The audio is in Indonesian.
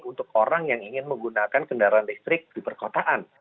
untuk orang yang ingin menggunakan kendaraan listrik di perkotaan